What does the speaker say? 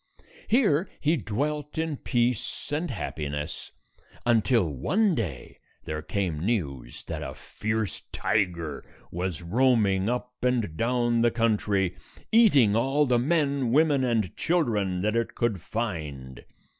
Here he dwelt in peace and happi ness, until one day there came news that a fierce tiger was roaming up and down the country, eating all the men, women, and children that it could find.